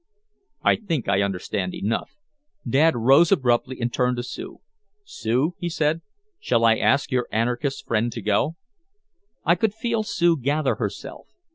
"I think I understand enough." Dad rose abruptly and turned to Sue. "Sue," he said. "Shall I ask your anarchist friend to go?" I could feel Sue gather herself.